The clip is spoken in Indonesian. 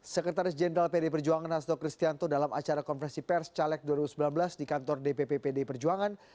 sekretaris jenderal pd perjuangan hasto kristianto dalam acara konversi pers caleg dua ribu sembilan belas di kantor dpp pdi perjuangan